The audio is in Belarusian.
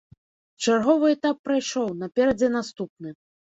Чарговы этап прайшоў, наперадзе наступны.